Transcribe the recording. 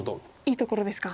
いいところですか。